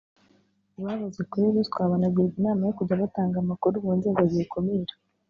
bavuze kuri ruswa banagirwa inama yo kujya batanga amakuru mu nzego ziyikumira